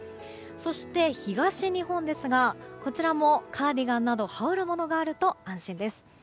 そして東日本ですがこちらもカーディガンなど羽織るものがあると安心です。